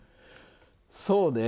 そうね。